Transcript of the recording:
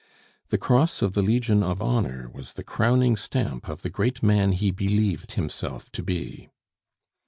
The Cross of the Legion of Honor was the crowning stamp of the great man he believed himself to be.